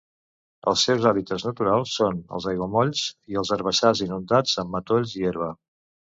Els seus hàbitats naturals són els aiguamolls i els herbassars inundats amb matolls i herba.